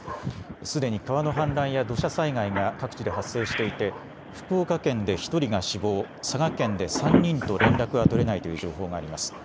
すでに川の氾濫や土砂災害が各地で発生していて福岡県で１人が死亡、佐賀県で３人と連絡が取れないという情報があります。